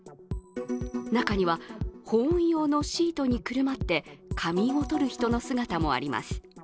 中には保温用のシートにくるまって仮眠を取る人の姿もあります。